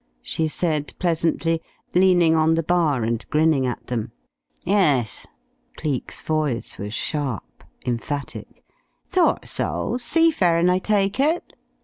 she said, pleasantly, leaning on the bar and grinning at them. "Yus." Cleek's voice was sharp, emphatic. "Thought so. Sea faring, I take it?"